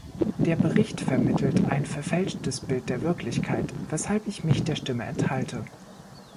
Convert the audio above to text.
Der Bericht vermittelt ein verfälschtes Bild der Wirklichkeit, weshalb ich mich der Stimme enthalte.